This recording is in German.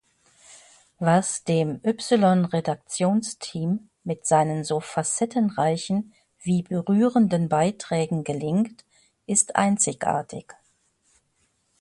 Was dem Y-Redaktionsteam mit seinen so facettenreichen wie berührenden Beiträgen gelingt, ist einzigartig.